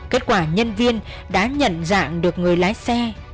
kết quả nhân viên đã nhận dạng được người lái xe